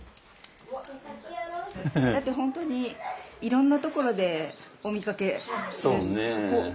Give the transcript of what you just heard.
だって本当にいろんなところでお見かけする。